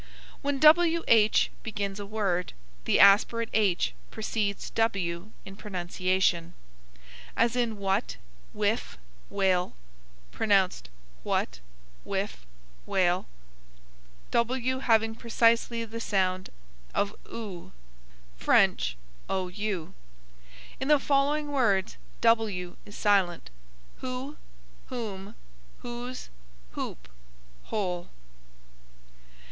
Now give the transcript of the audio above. When WH begins a word, the aspirate h precedes w in pronunciation: as in what, whiff, whale; pronounced hwat, hwiff, hwale, w having precisely the sound of oo, French ou. In the following words w is silent: who, whom, whose, whoop, whole.